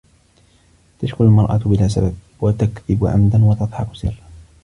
تشكو المرأة بلا سبب، وتكذب عمداً وتضحك سراً.